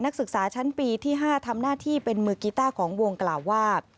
นักศึกษาชั้นปีที่๕ทำหน้าที่เป็นมือกีต้าของวงกล่าวว่า